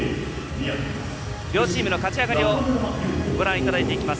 両チームの勝ち上がりをご覧いただいていきます。